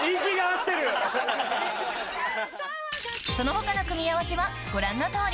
その他の組み合わせはご覧の通り